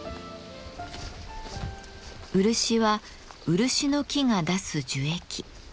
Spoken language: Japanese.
漆は漆の木が出す樹液。